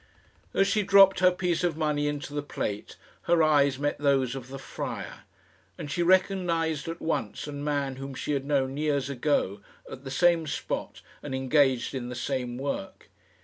As she dropped her piece of money into the plate her eyes met those of the friar, and she recognised at once a man whom she had known years ago, at the same spot and engaged in the same work.